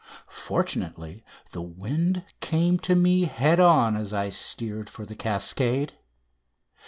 Fortunately, the wind came to me head on as I steered for "The Cascade."